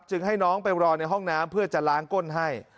ให้น้องไปรอในห้องน้ำเพื่อจะล้างก้นให้